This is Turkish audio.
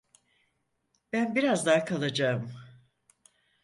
Ben biraz daha kalacağım.